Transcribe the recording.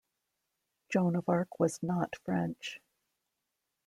Joan of Arc was not French.